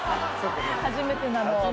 「初めてなの」って。